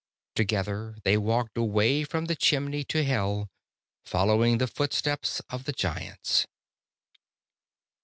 Together they walked away from the chimney to Hell, following the footsteps of the Giants.